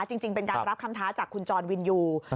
จริงเป็นการรับคำท้าจากคุณจรวินยู